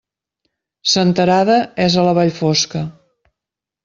Senterada és a la Vall Fosca.